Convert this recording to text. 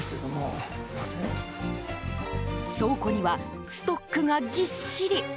倉庫にはストックがぎっしり。